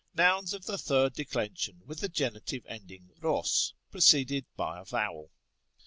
Nouns of the third declension with the genitive ending 90s preceded by a vowel.